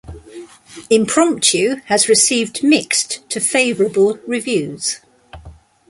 "Impromptu" has received mixed to favorable reviews.